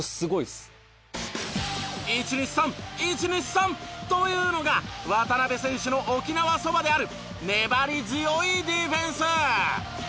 １２３！１２３！というのが渡邊選手の沖縄そばである粘り強いディフェンス。